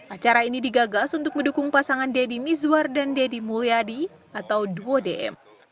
acara ini digagas untuk mendukung pasangan deddy mizwar dan deddy mulyadi atau duo dm